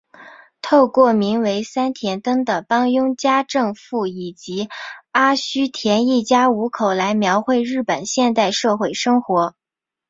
透过名为三田灯的帮佣家政妇以及阿须田一家五口来描绘日本现代社会问题。